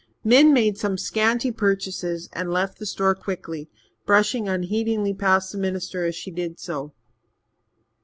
Min made some scanty purchases and left the store quickly, brushing unheedingly past the minister as she did so.